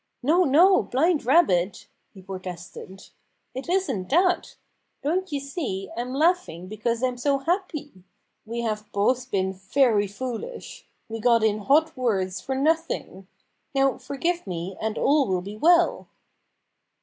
"No, no. Blind Rabbit!" he protested. "It isn't that. Don't you see I'm laughing because I'm so happy? We have both been very foolish. We got in hot words for nothing. Now forgive me, and all will be well."